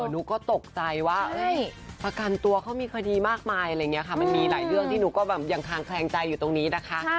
หนูก็ตกใจว่าประกันตัวเขามีคดีมากมายอะไรอย่างนี้ค่ะมันมีหลายเรื่องที่หนูก็แบบยังคางแคลงใจอยู่ตรงนี้นะคะ